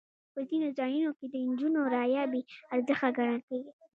په ځینو ځایونو کې د نجونو رایه بې ارزښته ګڼل کېږي.